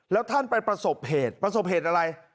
แล้วท่านไปประสบเหตุประสบเหตุอะไร